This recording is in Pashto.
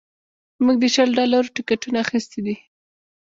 موږ د شل ډالرو ټکټونه اخیستي دي